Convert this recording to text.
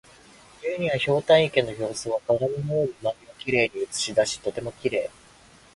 冬には、ひょうたん池の表層は鏡のように周りを写し出しとてもきれい。